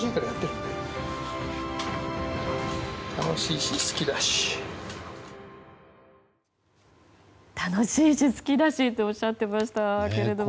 楽しいし、好きだしとおっしゃってましたけれども。